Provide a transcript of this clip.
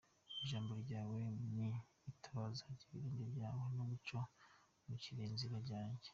Ijambo ryawe ni itabaza ry’ibirenge byanjye, n’umucyo umurikira inzira yanjye.